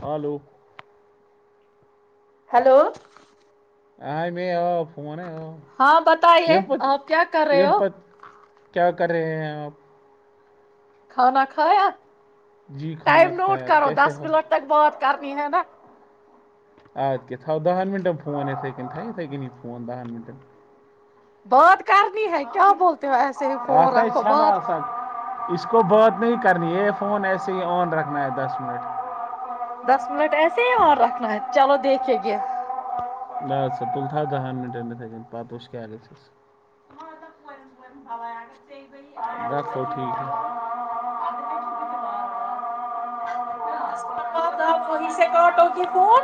ہ لو ہیلو ہ میں ہاں بتائیے آپ کیا کر رہے ہو کر رہے ہیں آپ کھانا کھایا ٹائم نوٹ کرو دس منٹ تک بات کرنی ہے نا ادک تھ تھاؤ دہن منٹن فون یہت کن ت یہتھے کنی ہی فون دہن منٹن بہت کرنی ہے کیا بولتے ہو ایسے ہی فون رکھو بات اس کو بات نہیں کرنی یہ فون ایسے ہی آن رکھنا ہے دس منٹ دس منٹ ایسے ہی مار رکھنا ہے چلو دیکھے گ نہ سل تھا دہن منٹ پ وچ دکھوٹیک ہے دس منٹ بعد آپ وہیں سے کاٹو گ فون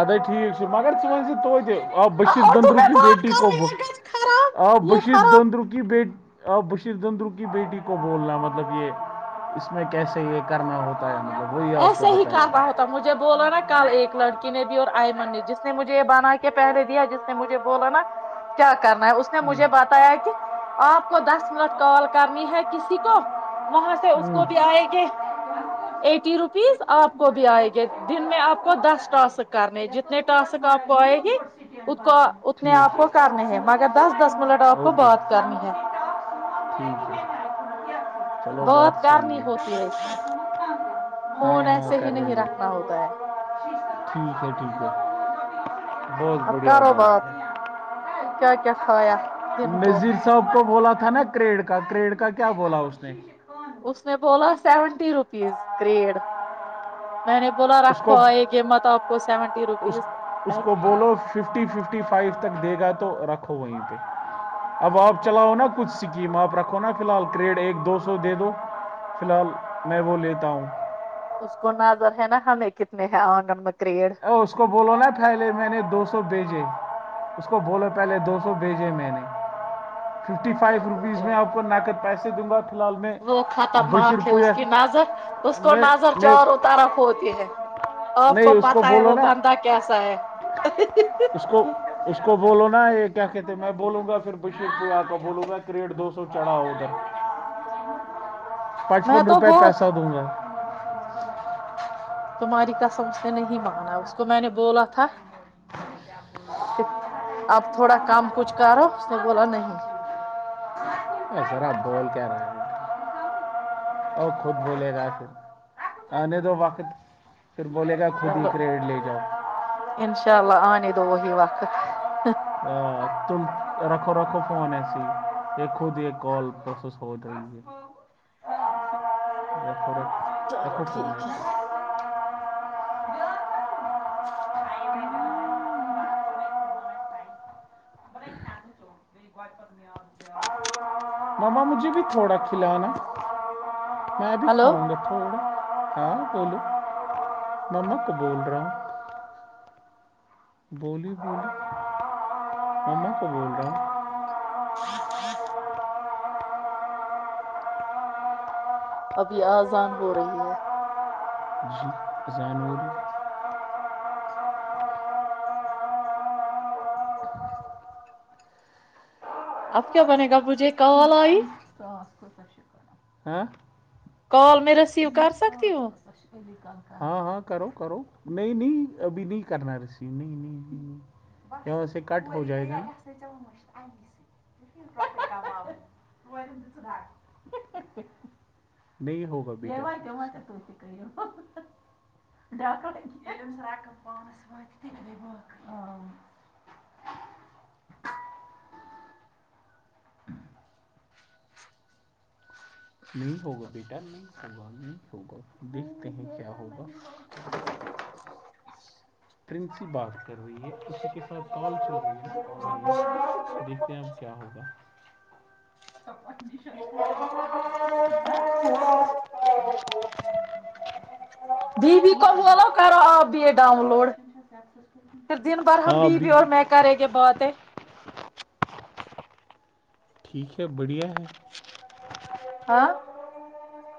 اد ٹھیک مگر وج سے توتے آ بشیر اردو دندرو میں کیی بات بیٹی کرو کوب یہ گج خراب آ یہ بشیر خراب دندر کیی بی اور بشیر دندرو کی بیٹی کو بولنا مطلب یہ اس میں کیسے یہ کرنا ہوتا ہے مطلب وہی آپ کو ایسے ہی بتائیں گے کہنا ہوتا مجھے بولو نا کل ایک لڑکی نب اور آئمن نے جس نے مجھے یہ بنا کے پہنےے دیا جس نے مجھے بولا نا کیا کرنا ہے اس نے مجھے بتایا کہ آپ کو دس منٹ کال ہوں کرنی ہے کسی کو وہاں سے اس کو بھی آئے گے ایٹی روپیز آپ کو بھی آئے گے دن میں آپ کو دس ٹسک کرنے جتنے ٹاسک آپ کو آئے گی کو اتنے ٹھیک آپ کو کرنے ہیں مگر دس دس منٹ آپ کو اوکے بات کرنی ہے چلو بہت بات صحیح کرنی ہوتی ہے اس میں ہاں فون ہاں ایسے ہی کر نہیں رہی ہے رکھنا ہوتا ہے ٹھیک ہے ٹھیک ہے بہت اب بڑھیا کرو بات کیا کیا کھایا دن کو نذیر صاحب کو بولا تھا تھا نا کریڈ کا کریڈ کا کیا بولا اس نے اس نے بولا سیونٹی روپیز کریڈ میں نے بولا اس کو رکھو آئے گے مت آپ کو سیونٹی روپیز اس میں کو بولو ففٹی ففٹی فائیو تک دے گا تو رکھ وہیں پہ اب آپ چلاؤ نا کچھ سکیم آپ رکھو نا فی الحال کریڈ ایک دو سو دے دو فی الحال میں وہ لیتا ہوں اس کو نظر ہے نا ہمیں کتنے ہے آنگن ب اس کو بولو نا پھیلے میں نے دو سو بھیجے اس کو بولو پہلے دو سو بھیجے میں نے ففٹی اور کیا فائیو بولتے روپیز ہو میں آپ کو نقد پیسے دوں گا فی الحال میں وہ بشیر خطرناک ہے اس کی پویہ نظر اس کو میں نظر میں چارو ترف ہوتی ہے آپ نہیں کو اس پتا ہے بولو وہ نا بندہ کیسا ہے [unintelligible] اس کو اس کو بولو نا یہ کیا کہتے میں بولوں گا پھر بشیر پا کو بولوں گا کریٹ دو سو چڑھا ادھر میں پچپن تو روپے وہ پیسہ دوں گا تمہاری کسم اس نے نہیں مانا اس کو میں نے بولا تھا کہ اب تھوڑا کم کچھ کرو اس نے بولا نہیں اے ذرا بول ا خود بھولے گا پھر آنے تو وقت پھر بولے گا خود ہی چلو کریڈ لے جاؤ انشاء آنے دو وہی وقت ا ت رکھو رکھو فون ایسی یہ خود یہ کال پروسس ہو جائے گی چلو ٹھیک ہے [inaudible] ماما مجھے بھی تھوڑا کھلانا میں بھی ہلو کھاؤں گا تھوڑا ہاں بولو ننک بول رہے ہیں بولیے بولیے [unintelligible] ابھی آذان ہو رہی ہے ج زانورور اب کیا بنے گا مجھے کال آی ہاں کال میں ریسیو کر سکتی ہوں ہاں ہاں کرو کرو نہیں نہیں ابھی نہیں کرنا ریسیو نہیں نہیںاں سے کٹ ہو جائے گا ن [unintelligible] [inaudible] نہیں ہوگا بیٹا نہیں ہوگا نہیں ہوگا دیکھتے ہیں کیا ہوگا کےسی بات کر رہی ہے اسی کے ساتھ کال چل رہی ہے نا آن لائن دیکھتے ہیں آپ کیا ہوگا چلو اچھا کرو آپ بھی ا ڈاؤن کوئی لوڈ مشن ہے پھر سکسیسفل دن بھر ہم ہاں بی بی ابھی اور بھی میں کریں کہے باتیں ٹھیک ہے بڑھیا ہے ہاں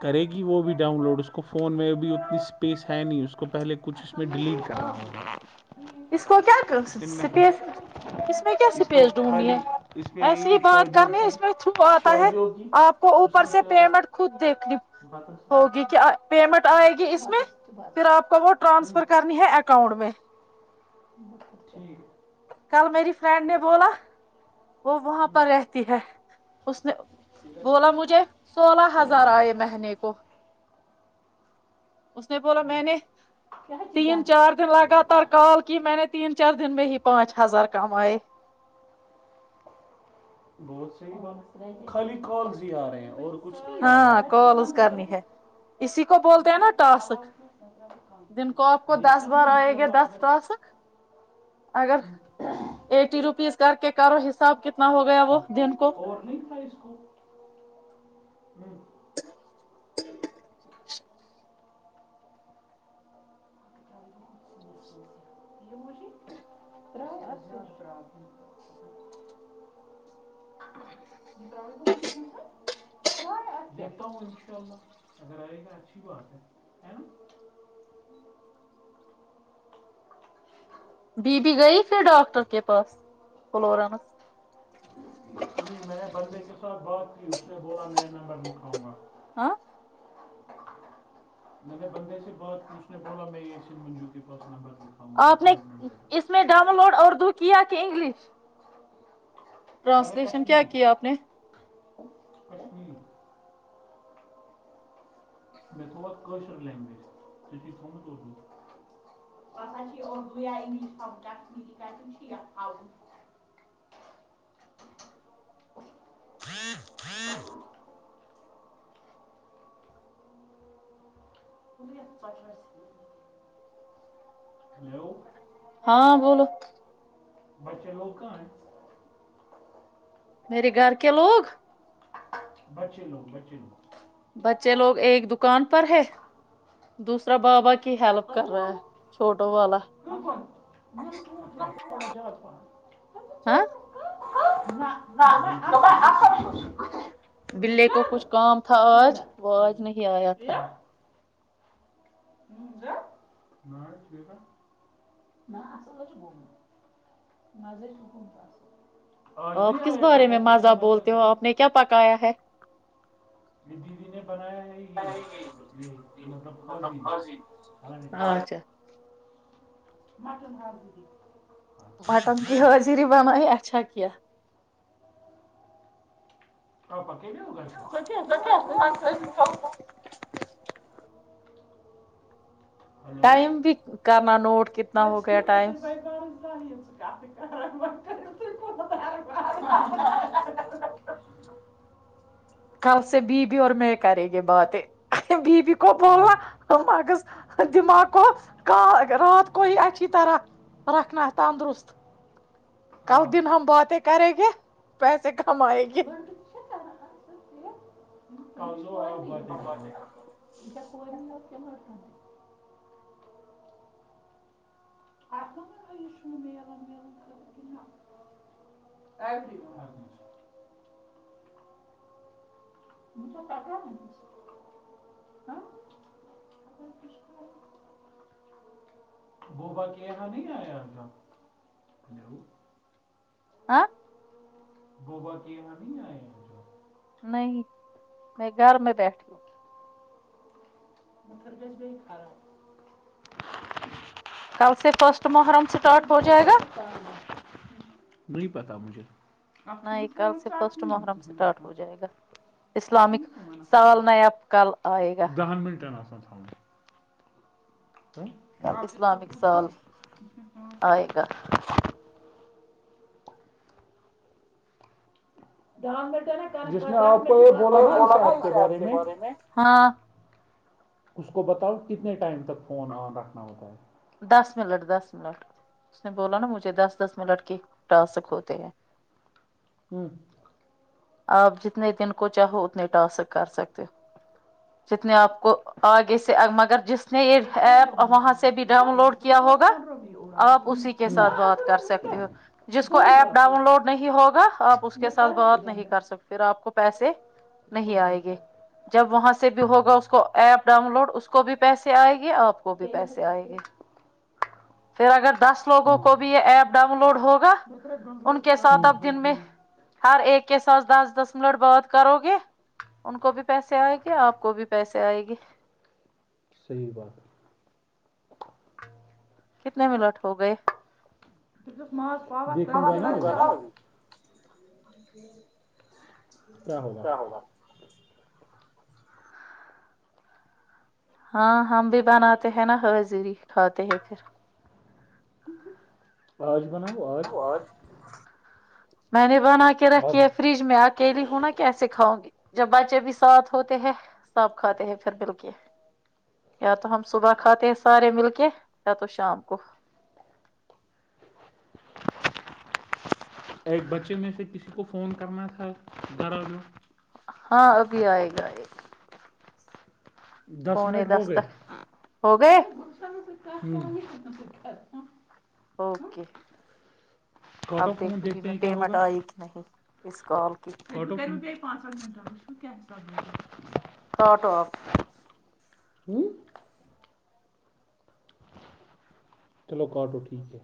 کرے گی وہ بھی ڈاؤن لوڈ اس کو فون میں بھی اتنی اسپیس ہے نہیں اس کو پہلے کچھ اس میں ڈیلیٹ کرنا ہو اس کو کیا سپیس اس میں کیا اس میں سپیس ڈھونڈنی خالی ہے اس میں ایسے ہی یہی بات شادیوں کرنی ہے کی اس میں تھرو آتا ہے شادیوں کی آپ کو اس اوپر نے سے پیمنٹ شاید خود دیکھنی بتا ہوگی کہ پیمنٹ آئے گی اس میں پھر آپ کو وہ ٹرانسفر کرنی ہے اکاؤنٹ میں ب ٹییک کل میری فرینڈ نے بولا وہ وہاں پر رہتی ہے اس نے ہے بولا مجھے سولہ ہزار آئے مہنے کو اس نے بولا میں نے تین چار دن لگاتار کال کی میں نے تین چار دن میں ہی پچ ہزار کم آئے بہت صحی خالی کالزی آ رہے ہیں اور کچھ نہیں آ ہاں رہا کالز کرنی ہے اسی کو بولتے ہیں نا ٹاسک دن کو آپ کو دس دیکھتا ہوں بار آئے گے انشاءاللہ دس اگر ٹاسک اگر ایٹی روپیز کر کے کرو حساب کتنا ہو گیا وہ دن کو اور نہیں کرائی اس کو ہوں [unintelligible] ل م [unintelligible] بی بی گئی پھر ڈاکٹر کے پاس فلورانس میں نے بندے کے ساتھ بات کی اس نے بولا میں نمبر لکھاؤں گا ہاں میں نے بندے سے بات کی اس نے بولا میں یہشن منجو ت پس نبر آپ نے اس میں ڈاؤن لوڈ اورد کی کیا آ کہ انگلش ٹرانسلیشن کیا کیا آپ نے اچ ہ میں تھو کوشر لینگویجتر ج ک پھا ہاں بولو بچے لوگ کن میرے گھر کے لوگ بچے لو بچے لو بچے لوگ ایک دکان پر ہے دوسرا بابا کی ہیلپ کر رہا ہے چھوٹو والا بالکل بالک جلد پ دما اثر شو بلے کو جاد کچھ کام تھا تھوڑا آج وہ آج نہیں آیا تھا نہ آصل گز آپ کس بارے میں مزہ بولتے ہو آپ نے کیا پکایا ہے یہ دیدی نے بنایا ہے یہ یہ مطلب حض کھان اچھا مٹ نال دیج مٹن کی حاضری بنایی اچھا کیا آپپ سک کر ہلو ٹائم بھی کرنا نوٹ کتنا ہو گیا ٹائم کاات کرار م [unintelligible] ہہ [unintelligible] کل سے بی بیی اور میں کرے گی باتیں بیو کو بوولنا مغذ دماغ کو رات کو ہی اچھی طرح رکھنا تندرست کل ہاں دن ہم باتیں کرے گیا پیسے کمائے گی اب کرنا ری بو کہا نہیں آیا کا آ بوبا کی ہ نہیں نہیں میں گھر میں بیٹھی ہوں مٹر گس بیی خراب کل سے فرسٹ محرم اسٹارٹ ہو جائے گا نہیں پتا مجھے اَتھ چھُے نہیں ہی نہٕ فون کل سے فرسٹ ژَٹنُے نہٕ محرم کِہیٖنۍ اسٹارٹ دَپان ہو جائے گا اَتھ چھُے اسلامک نہٕ فون آسان سال نیاب کل آئے گا - [inaudible] آپ اس کو اسلامک پوچھو سال آئے گا گاؤں گ ج نا ک تو بولا نا اس شپ کے بارے میں ہاں اس کو بتاؤ کتنے ٹائم تک فون آن رکھنا ہوتا ہے دس منٹ دس منٹ اس نے بولا نا مجھے دس دس منٹ کےٹاسک ہوتے ہیں ہوں آپ جتنے دن کو چاہو اتنے ٹاسک کر سکتے ہو جتنے آپ کو آگے سے مگر جس اس نے یہ توتہِ سۄنٛدروو ایپ مےٚ یہِ وہاں سے آبَس بھی منٛز ڈاؤن اوٚڑ لوڈ دوٚپمَے کیا توتہِ ہوگا سۄنٛدروو مےٚ یہِ اوٚڑ آبَس آپ اسی کے ساتھ بات کر سکتے ہو جس کو ایپ ڈاؤن لوڈ نہیں ہوگا آپ اس کے ساتھ بات نہیں پھر آپ کو پیسے ہو نہیں گئے آئے گی سر جب وہاں سے بھی ہوگا اس کو ایپ ڈاؤن لوڈ اس کو بھی پیسے آئے گ یہ آپ کو بھی پیسے آئے گے سیراگر [unintelligible] دس لوگوں ہاں کو بھی یہ ایپ ڈاؤن لوڈ ہوگا میرا گنگرا ان کے سر ہوں۔ ساتھ اب دکھائی دن دی میں ہر ایک کے دس دس دس منٹ بعات کرو گے ان کو بھی پیسے آئے گے آپ کو بھی پیسے آئے گے صحی بات کتنے منٹ ہو گئے مس پا [unintelligible] ج جی [unintelligible] کیا ہوگا ہاں ہم بھی بناتے ہیں نا ہزری کھاتے ہیں پھر اوراں ج [unintelligible] اور [unintelligible] میں نے [unintelligible] بنا کے اب رکھیے فریج میں اکیلی ہونا کی ایسے کاؤ گی جب بچے بھی ساتھ ہوتے ہے سب کھاتے ہیں پھر مل کے یا تو ہم صبح کھاتے ہیں سارے مل کے یا تو شام کو ایک بچے میں سے کسی کو فون کرنا تھا درل ہاں ابھی آئے گا آئے گا پونے منٹ دس ہو گئے تک ہو گئے س سھا ہ [unintelligible] اوکے کاٹ اب آف فون دیکھو گی میں پیمٹ آئی کہ نہیں اس [unintelligible] پانچون منٹن و [unintelligible] [inaudible] کٹ آف [unintelligible] ہوں [unintelligible] چلو کاٹو ٹھیک ہے